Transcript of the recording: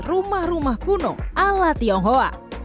rumah rumah kuno ala tionghoa